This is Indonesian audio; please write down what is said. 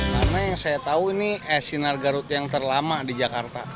karena yang saya tahu ini es sinar garut yang terlama di jakarta